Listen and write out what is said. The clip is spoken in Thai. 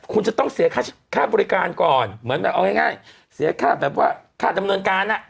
คุณจะต้องเสียค่าบริการก่อนเหมือนแบบเอาง่ายเสียค่าแบบว่าค่าดำเนินการอ่ะ